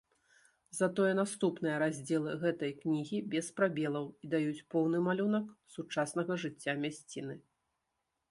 Затое наступныя раздзелы гэтай кнігі без прабелаў і даюць поўны малюнак сучаснага жыцця мясціны.